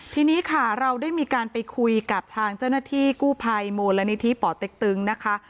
ทีนี้ค่ะเราได้มีการไปคุยกับทางเจ้าหน้าที่กู้ภัยมูลนิธิป่อเต็กตึงนะคะ